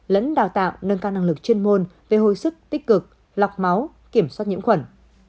lẫn đào tạo nâng cao năng lực chuyên môn về hồi sức tích cực lọc máu kiểm soát nhiễm khuẩn